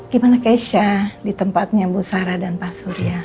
gimana keisha di tempatnya bu sarah dan pak surya